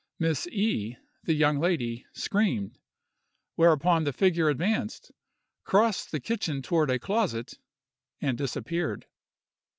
Miss E——, the young lady, screamed; whereupon the figure advanced, crossed the kitchen toward a closet, and disappeared.